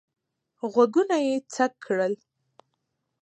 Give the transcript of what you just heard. غوږونه یې څک کړل.